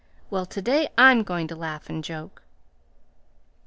Well, to day I'm going to laugh and joke."